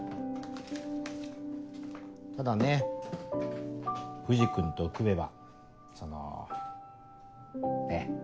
ただね藤君と組めばそのねっ。